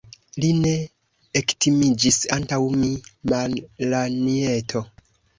Li ne ektimiĝis antaŭ mi, Malanjeto.